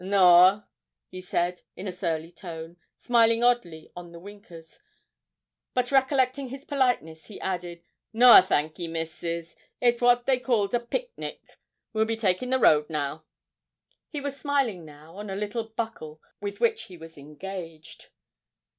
'Noa,' he said in a surly tone, smiling oddly on the winkers, but, recollecting his politeness, he added, 'Noa, thankee, misses, it's what they calls a picnic; we'll be takin' the road now.' He was smiling now on a little buckle with which he was engaged.